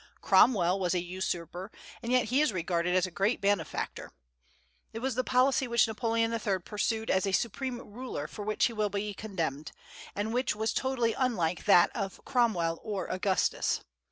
Cromwell was a usurper, and yet he is regarded as a great benefactor. It was the policy which Napoleon III. pursued as a supreme ruler for which he will be condemned, and which was totally unlike that of Cromwell or Augustus.